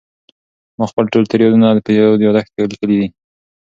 ما خپل ټول تېر یادونه په یو یادښت کې لیکلي دي.